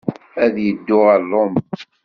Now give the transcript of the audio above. Ad yeddu ɣer Roma.